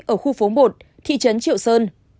ở khu phố một thị trấn triệu sơn